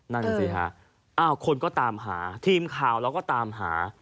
นั่นสิฮะอ้าวคนก็ตามหาทีมข่าวเราก็ตามหา